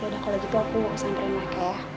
yaudah kalau gitu aku samperin pakaian ya